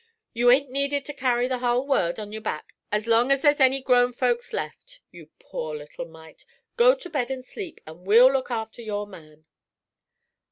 You ain't needed to carry the hull world on your back as long as there's any grown folks left, you poor little mite. Go to bed and sleep, and we'll look after your man."